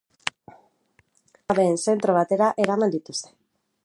Neskak adingabeen zentro batera eraman dituzte.